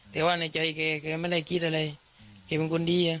แต่ว่าในใจแกไม่ได้คิดอะไรแกเป็นคนดีอ่ะ